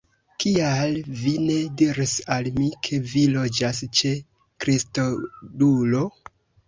Kial vi ne diris al mi, ke vi loĝas ĉe Kristodulo?